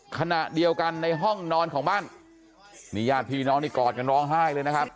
ขณะเดียวกันในห้องนอนของบ้านนี่ญาติพี่น้องนี่กอดกันร้องไห้เลยนะครับ